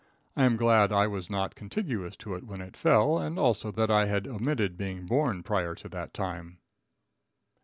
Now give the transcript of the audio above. I am glad I was not contiguous to it when it fell, and also that I had omitted being born prior to that time.